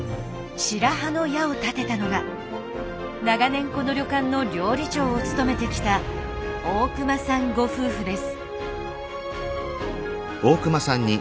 白羽の矢を立てたのが長年この旅館の料理長を務めてきた大熊さんご夫婦です。